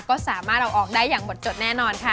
ก็สามารถเอาออกได้อย่างหมดจดแน่นอนค่ะ